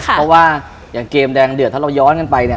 เพราะว่าอย่างเกมแดงเดือดถ้าเราย้อนกันไปเนี่ย